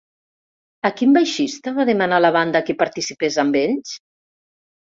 A quin baixista va demanar la banda que participes amb ells?